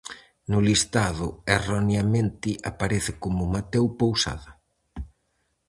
No listado erroneamente aparece como Mateo pousada.